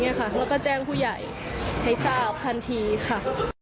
แล้วก็แจ้งผู้ใหญ่ให้ทราบทันทีค่ะ